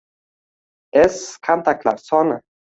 s - kontaktlar soni;